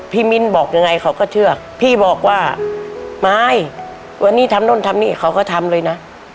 มิ้นบอกยังไงเขาก็เชื่อพี่บอกว่ามายวันนี้ทำนู่นทำนี่เขาก็ทำเลยนะ